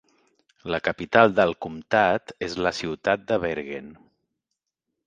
La capital del comtat és la ciutat de Bergen.